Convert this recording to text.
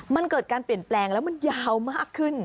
มันเกิดการเปลี่ยนแปลงแล้วมันยาวมากขึ้น